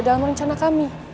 dalam rencana kami